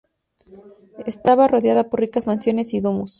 Estaba rodeada por ricas mansiones y domus.